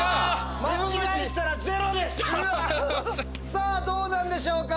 さぁどうなんでしょうか？